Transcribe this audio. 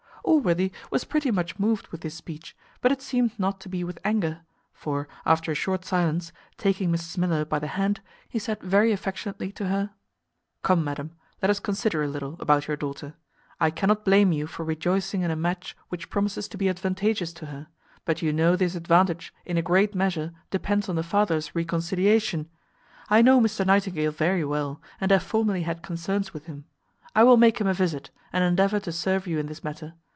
Allworthy was pretty much moved with this speech, but it seemed not to be with anger; for, after a short silence, taking Mrs Miller by the hand, he said very affectionately to her, "Come, madam, let us consider a little about your daughter. I cannot blame you for rejoicing in a match which promises to be advantageous to her, but you know this advantage, in a great measure, depends on the father's reconciliation. I know Mr Nightingale very well, and have formerly had concerns with him; I will make him a visit, and endeavour to serve you in this matter.